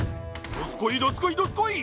どすこいどすこいどすこい！